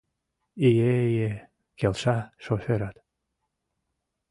— Ие-ие... — келша шофёрат.